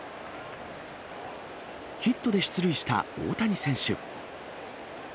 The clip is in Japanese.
ヒットで出塁した大谷選手。